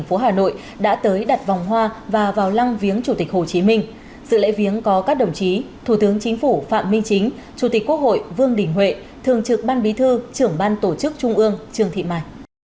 chủ tịch quốc hội vương đình huệ thường trực ban bí thư trưởng ban tổ chức trung ương trường thị mài